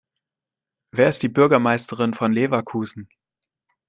Wer ist die Bürgermeisterin von Leverkusen?